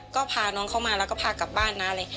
ก็พาน้องเขามาแล้วก็พากลับบ้านนะเลย